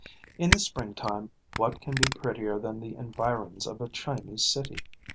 _] In the spring time what can be prettier than the environs of a Chinese city?